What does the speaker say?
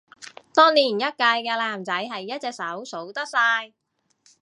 當年一屆嘅男仔係一隻手數得晒